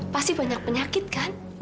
pasti banyak penyakit kan